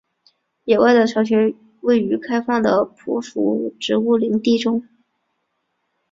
野外的巢穴位于开放的匍匐植物林地中。